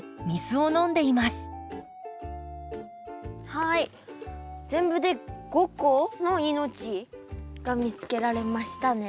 はい全部で５個の命が見つけられましたね。